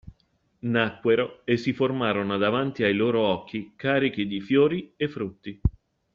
Nacquero e si formarono davanti ai loro occhi, carichi di fiori e frutti.